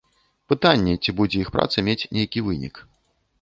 Пытанне, ці будзе іх праца мець нейкі вынік.